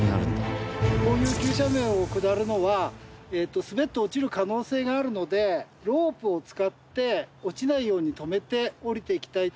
こういう急斜面を下るのは滑って落ちる可能性があるのでロープを使って落ちないように留めて下りていきたい。